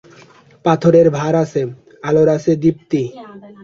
পাথরের ভার আছে, আলোর আছে দীপ্তি।